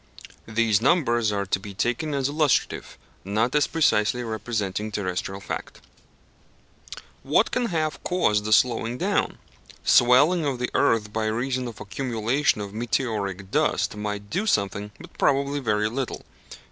(These numbers are to be taken as illustrative, not as precisely representing terrestrial fact.) What can have caused the slowing down? Swelling of the earth by reason of accumulation of meteoric dust might do something, but probably very little.